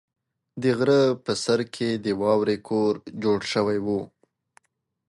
د غره په سر کې د واورې کور جوړ شوی و.